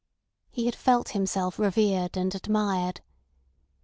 He had felt himself revered and admired.